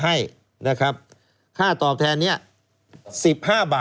คุณนิวจดไว้หมื่นบาทต่อเดือนมีค่าเสี่ยงให้ด้วย